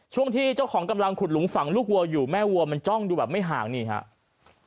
ช่วงที่เจ้าของกำลังขุดหลุมฝังลูกวัวอยู่แม่วัวมันจ้องดูแบบไม่ห่างนี่ครับ